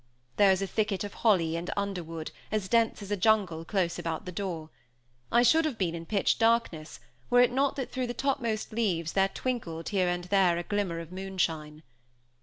There was a thicket of holly and underwood, as dense as a jungle, close about the door. I should have been in pitch darkness, were it not that through the topmost leaves there twinkled, here and there, a glimmer of moonshine.